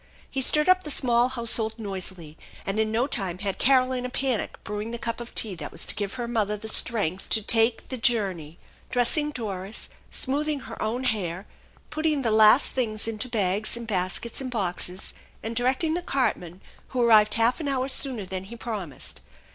He stirred up the small household noisily, and in no time had Carol in a panic brew Ing the cup of tea that was to give her mother strength to take 122 THE ENCHANTED BARN the journey, dressing Doris, smoothing her own hair, putting the last things into bags and baskets and boxes, and directing the cartman, who arrived half an hour sooner than he prom ised.